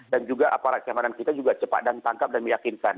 dan juga aparat keamanan kita juga cepat dan tangkap dan meyakinkan